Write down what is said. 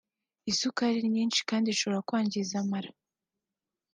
Isukari nyinshi kandi ngo ishobora kwangiza amara